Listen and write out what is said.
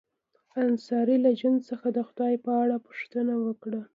انصاري له جون څخه د خدای په اړه پوښتنه وکړه